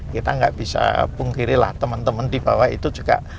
kita nggak bisa pungkiri lah teman teman di bawah itu juga